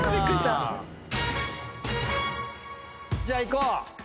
じゃあいこう。